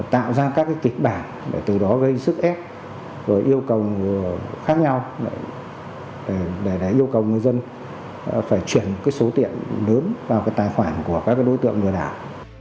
tạo ra các kịch bản để từ đó gây sức ép rồi yêu cầu khác nhau để yêu cầu người dân phải chuyển số tiền lớn vào cái tài khoản của các đối tượng lừa đảo